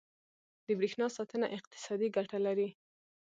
• د برېښنا ساتنه اقتصادي ګټه لري.